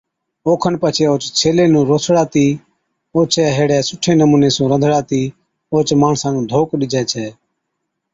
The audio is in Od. اوکن پڇي اوھچ ڇيلي نُون روسڙاتِي اوڇَي ھيڙَي سُٺي نمُوني سُون رانڌتِي اوھچ ماڻسا نُون ڌوڪ ڏِجَي ڇَي